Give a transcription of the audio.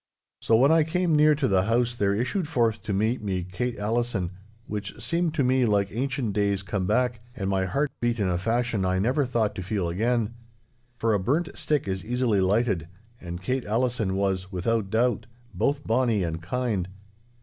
So when I came near to the house there issued forth to meet me Kate Allison, which seemed to me like ancient days come back, and my heart beat in a fashion I never thought to feel again. For a burnt stick is easily lighted, and Kate Allison was, without doubt, both bonny and kind.